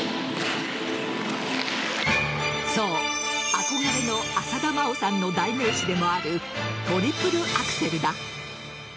そう、憧れの浅田真央さんの代名詞でもあるトリプルアクセルだ。